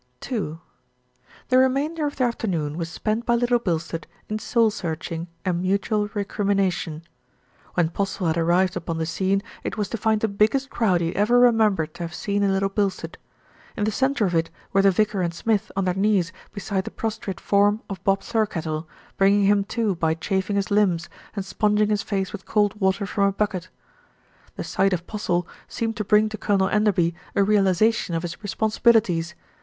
II The remainder of the afternoon was spent by Little Bilstead in soul searching and mutual recrimination. When Postle had arrived upon the scene, it was to find the biggest crowd he ever remembered to have seen in Little Bilstead. In the centre of it were the vicar and Smith on their knees beside the prostrate form of Bob Thirkettle, bringing him to by chafing his limbs and sponging his face with cold water from a bucket. The sight of Postle seemed to bring to Colonel Enderby a realisation of his responsibilities.